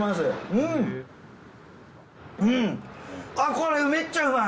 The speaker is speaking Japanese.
これめっちゃうまい。